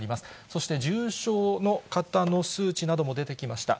そして、重症の方の数値なども出てきました。